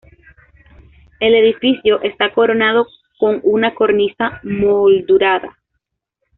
El edificio está coronado con una cornisa moldurada.